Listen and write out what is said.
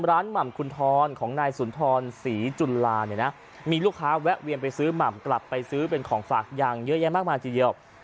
หม่ำคุณทรของนายสุนทรศรีจุลาเนี่ยนะมีลูกค้าแวะเวียนไปซื้อหม่ำกลับไปซื้อเป็นของฝากอย่างเยอะแยะมากมายทีเดียว